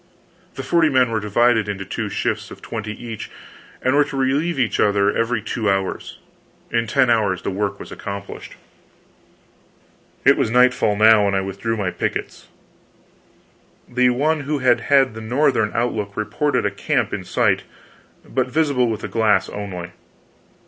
The forty men were divided into two shifts of twenty each, and were to relieve each other every two hours. In ten hours the work was accomplished. It was nightfall now, and I withdrew my pickets. The one who had had the northern outlook reported a camp in sight, but visible with the glass only.